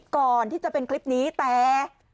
ก่อนที่จะเป็นคลิปนี้แต่